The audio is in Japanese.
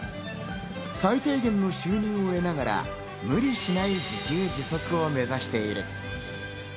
最低限の収入を得ながら、無理しない自給自足を目指している。